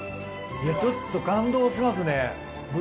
ちょっと感動しますね。